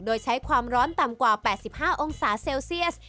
โดยใช้ความร้อนต่ำกว่า๘๕องศาเซลเซียส